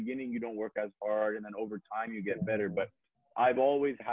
dan di awal lo gak bekerja dengan keras dan kemudian lo lebih baik